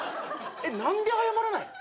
何で謝らないの？